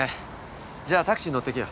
じゃあタクシー乗ってけよ。